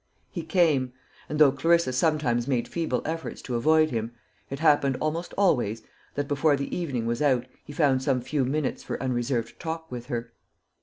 He came; and though Clarissa sometimes made feeble efforts to avoid him, it happened almost always, that before the evening was out he found some few minutes for unreserved talk with her.